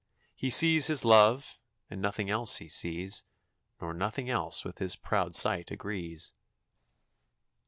He sees his love, and nothing else he sees, Nor nothing else with his proud sight agrees.